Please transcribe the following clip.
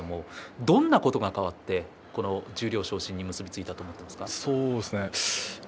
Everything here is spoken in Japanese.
どんなことが変わってこの十両昇進に結び付いたと思いますか？